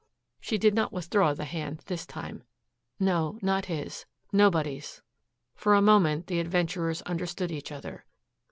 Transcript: She did not withdraw the hand this time. "No not his nobody's." For a moment the adventurers understood each other.